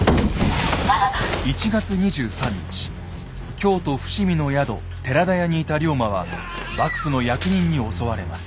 京都・伏見の宿寺田屋にいた龍馬は幕府の役人に襲われます。